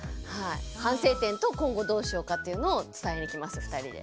反省点と今後どうしようかというのを伝えに来ます２人で。